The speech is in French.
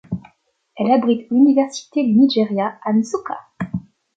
Elle abrite l'université du Nigeria à Nsukka.